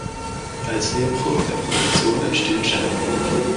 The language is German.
Als Nebenprodukt der Produktion entstehen Schäben.